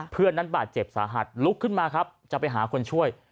เพื่อนนั้นบาดเจ็บสาหัสลุกขึ้นมาครับจะไปหาคนช่วย